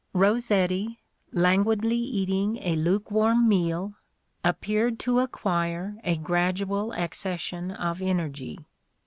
Rossetti, languidly eating a lukewarm meal, appeared to acquire a gradual accession of energy.